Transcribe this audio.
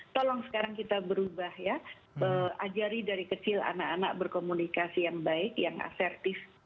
tolong sekarang kita berubah ya ajari dari kecil anak anak berkomunikasi yang baik yang asertif